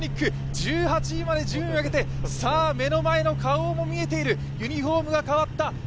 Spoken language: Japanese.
１８位まで順位を上げて、目の前のＫａｏも見えているユニフォームフが変わった。